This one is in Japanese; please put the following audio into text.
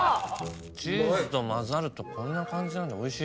チーズと混ざるとこんな感じなんだおいしい。